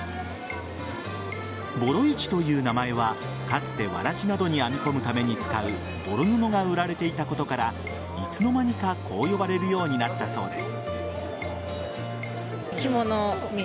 ボロ市という名前はかつてわらじなどに編み込むために使うボロ布が売られていたことからいつの間にかこう呼ばれるようになったそうです。